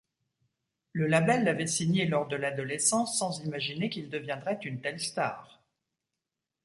Le label l'avait signé lors de l'adolescence, sans imaginer qu'il deviendrait une telle star.